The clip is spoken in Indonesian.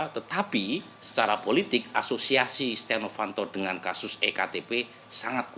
tetapi secara politik asosiasi setia novanto dengan kasus ektp sangat kuat